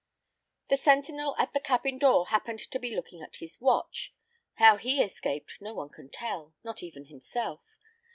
The centinel at the cabin door happened to be looking at his watch; how he escaped no one can tell, not even himself.